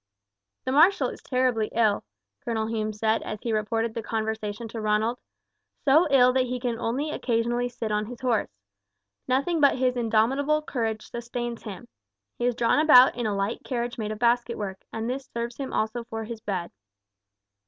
"The marshal is terribly ill," Colonel Hume said as he reported the conversation to Ronald, "so ill that he can only occasionally sit on his horse. Nothing but his indomitable courage sustains him. He is drawn about in a light carriage made of basketwork, and this serves him also for his bed."